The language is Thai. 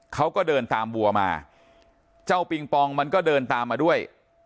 เขาก็เดินตามวัวมาเจ้าปิงปองมันก็เดินตามมาด้วย